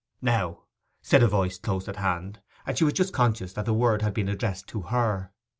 'Now!' said a voice close at hand, and she was just conscious that the word had been addressed to her.